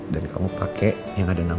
dan kamu pakai yang ada nama aku